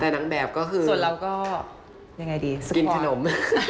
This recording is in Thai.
แต่นางแบบก็คือสกวอตกินขนม